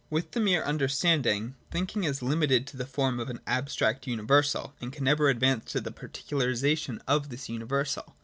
With the mere understanding, thinking is limited to the form of an abstract universal, and can never advance to the particu larisation of this universal.